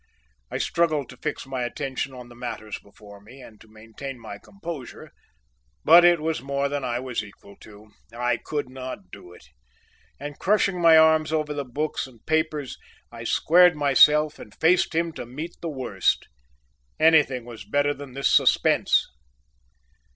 I struggled to fix my attention on the matters before me and to maintain my composure, but it was more than I was equal to; I could not do it, and crushing my arms over the books and papers, I squared myself and faced him to meet the worst anything was better than this suspense.